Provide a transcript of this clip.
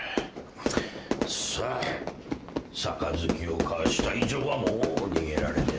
さあ杯を交わした以上はもう逃げられねえぞ。